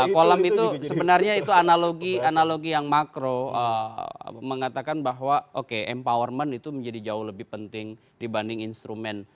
kolam itu sebenarnya itu analogi analogi yang makro mengatakan bahwa oke empowerment itu menjadi jauh lebih penting dibanding instrumen